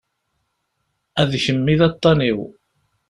A d kemm i d aṭṭan-iw.